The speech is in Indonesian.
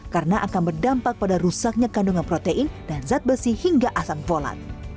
karena akan berdampak pada rusaknya kandungan protein dan zat besi hingga asam volat